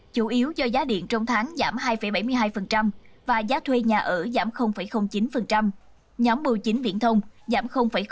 chủ yếu do giá điện trong tháng giảm hai bảy mươi hai và giá thuê nhà ở giảm chín nhóm bưu chính viễn thông giảm ba